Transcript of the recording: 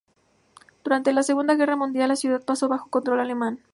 Durante la Segunda Guerra Mundial, la ciudad pasó bajo control alemán.